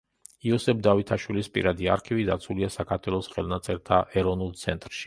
იოსებ დავითაშვილის პირადი არქივი დაცულია საქართველოს ხელნაწერთა ეროვნულ ცენტრში.